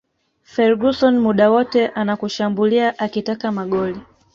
Ferguson muda wote anakushambulia akitaka magoli